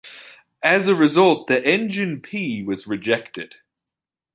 As a result the "Engin P" was rejected.